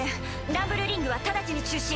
ランブルリングは直ちに中止。